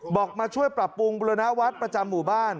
มาช่วยปรับปรุงบุรณวัฒน์ประจำหมู่บ้าน